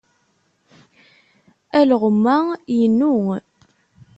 Alɣem-a i nnu.